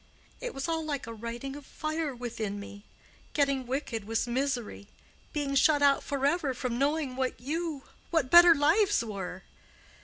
It was all like a writing of fire within me. Getting wicked was misery—being shut out forever from knowing what you—what better lives were.